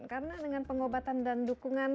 karena dengan pengobatan dan dukungan